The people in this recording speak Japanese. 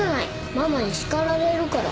ママに叱られるから。